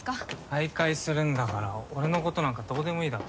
退会するんだから俺のことなんかどうでもいいだろ。